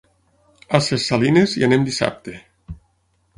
A Ses Salines hi anem dissabte.